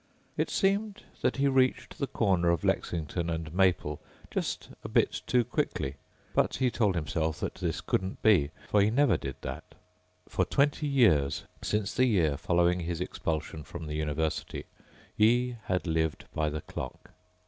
It seemed that he reached the corner of Lexington and Maple just a bit too quickly, but he told himself that this couldn't be. For he never did that. For twenty years, since the year following his expulsion from the university, he had lived by the clock.